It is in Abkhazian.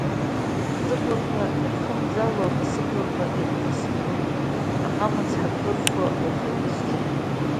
Сыблақәа ирхымӡало, аха сыблақәа ирҭасхьоу, аҟама цҳафырқәа уахагьы исҿакуп.